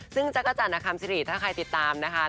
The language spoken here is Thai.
ซึ่งจักรจันทร์อคัมซิริถ้าใครติดตามนะคะ